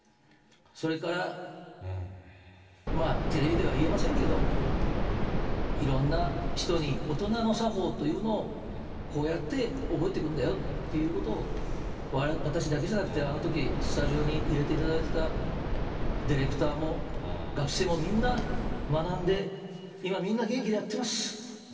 それから、テレビでは言えませんけど、いろんな人に大人の作法というのを、こうやって覚えていくんだよっていうことを私だけじゃなくて、あのとき、スタジオに入れていただいていたディレクターも学生もみんな学んで、今みんな元気でやっています。